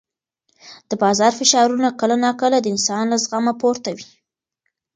د بازار فشارونه کله ناکله د انسان له زغمه پورته وي.